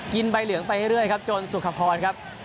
กินใบเหลืองไปให้เรื่อยจนสุขภพรครับ